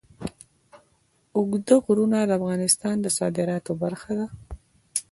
اوږده غرونه د افغانستان د صادراتو برخه ده.